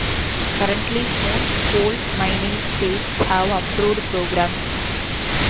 Currently, most coal-mining states have approved programs.